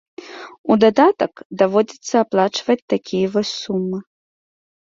У дадатак даводзіцца аплачваць такія вось сумы.